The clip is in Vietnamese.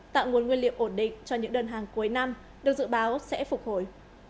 tạo nguồn nguyên liệu ổn định cho những đơn hàng cuối năm được dự báo sẽ phục hồi